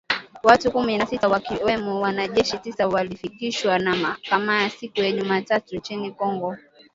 Watu kumi na sita wakiwemo wanajeshi tisa walifikishwa mahakamani siku ya Jumatatu nchini Kongo